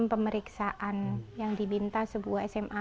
pemeriksaan yang diminta sebuah sma